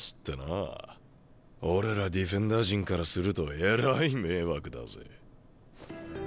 俺らディフェンダー陣からするとえらい迷惑だぜ。